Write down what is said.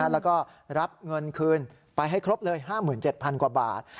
แล้วก็รับเงินคืนไปให้ครบเลย๕๗๐๐กว่าบาท